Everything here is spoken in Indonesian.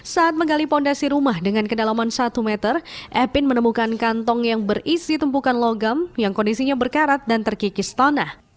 saat menggali fondasi rumah dengan kedalaman satu meter epin menemukan kantong yang berisi tumpukan logam yang kondisinya berkarat dan terkikis tanah